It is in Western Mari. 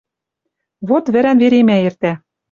Вот вӹрӓн веремӓ эртӓ